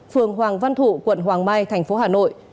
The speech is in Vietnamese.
phường hoàng văn thụ quận hoàng mai tp hà nội